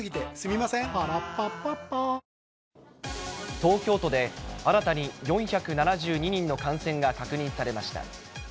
東京都で新たに４７２人の感染が確認されました。